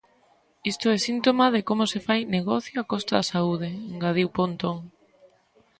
Isto é síntoma de como se fai negocio a costa da saúde, engadiu Pontón.